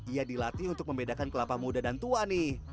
ia dilatih untuk membedakan kelapa muda dan tua nih